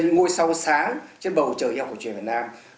ngồi sâu sáng trên bầu trời y học cổ truyền việt nam